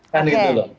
kan gitu loh